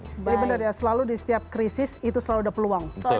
tapi benar ya selalu di setiap krisis itu selalu ada peluang